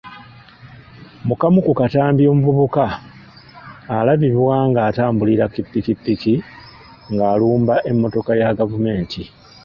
Mu kamu ku katambi omuvubuka alabibwa ng’atambulira ki ppikipiki ng’alumba emmotoka ya gavumenti.